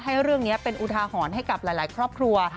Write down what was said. ให้เรื่องนี้เป็นอุทาหรณ์ให้กับหลายครอบครัว